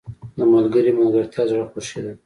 • د ملګري ملګرتیا د زړه خوښي ده.